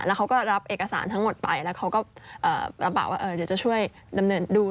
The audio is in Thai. แล้วเขาก็รับเอกสารทั้งหมดไปแล้วเขาก็รับปากว่าเดี๋ยวจะช่วยดำเนินดู